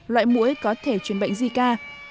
loại mũi có thể chuyển bệnh zika